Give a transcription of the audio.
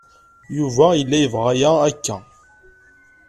Yuba yella yebɣa aya akka.